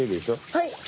はい。